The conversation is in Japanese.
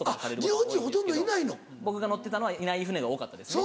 僕が乗ってたのはいない船が多かったですね。